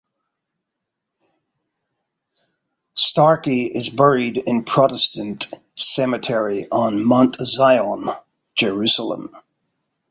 Starkey is buried in Protestant Cemetery on Mount Zion, Jerusalem.